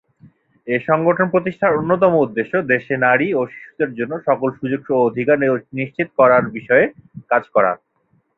এ সংগঠন প্রতিষ্ঠার অন্যতম উদ্দেশ্য "দেশে নারী ও শিশুদের জন্য সকল সুযোগ ও অধিকার নিশ্চিত করার বিষয়ে কাজ করা"।